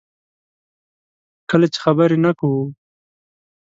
کله چې خبرې نه کوو.